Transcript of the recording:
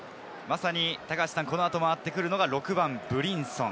このあと回ってくるのが６番・ブリンソン。